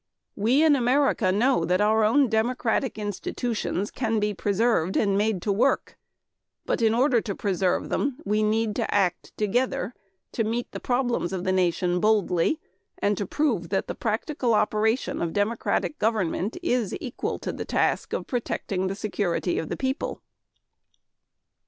We in America know that our own democratic institutions can be preserved and made to work. But in order to preserve them we need to act together, to meet the problems of the nation boldly, and to prove that the practical operation of democratic government is equal to the task of protecting the security of the people.